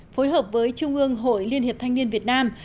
phối hợp với trung ương hội liên hiệp thanh niên việt nam